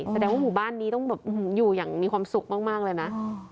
แสดงว่าหมู่บ้านนี้ต้องแบบอยู่อย่างมีความสุขมากเลยนะ